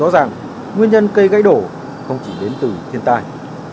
rõ ràng nguyên nhân cây gãy đổ không chỉ đến từ thiên tai